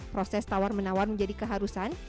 proses tawar menawar menjadi keharusan